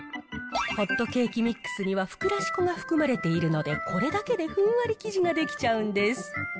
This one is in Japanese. ホットケーキミックスには、ふくらし粉が含まれているので、これだけでふんわり生地が出来ちゃうんです。